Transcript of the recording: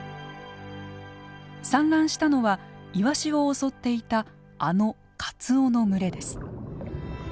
産卵したのはイワシを襲っていたあのカツオの群れです。